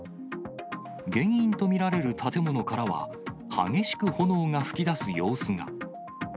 原因と見られる建物からは、激しく炎が噴き出す様子が。